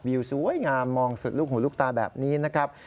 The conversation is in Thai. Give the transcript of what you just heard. สวยงามมองสุดลูกหูลูกตาแบบนี้นะครับ